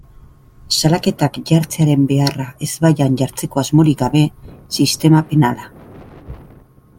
Salaketak jartzearen beharra ezbaian jartzeko asmorik gabe, sistema penala.